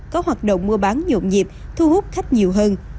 có hoạt động mua bán nhộn nhịp thu hút khách nhiều hơn